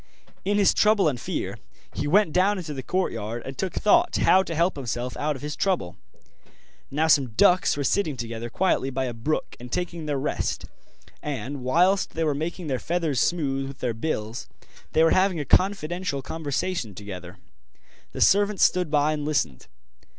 In his trouble and fear he went down into the courtyard and took thought how to help himself out of his trouble. Now some ducks were sitting together quietly by a brook and taking their rest; and, whilst they were making their feathers smooth with their bills, they were having a confidential conversation together. The servant stood by and listened.